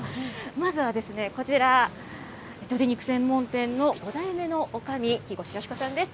まずはこちら、鶏肉専門店の５代目のおかみ、木越睦子さんです。